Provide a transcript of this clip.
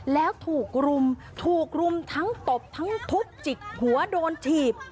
แล้วถูกรุมถูกรุมทั้งตบทั้งทุบจิกหัวโดนถีบ